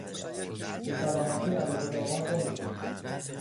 بسلامتی عروس و داماد بنوشیم!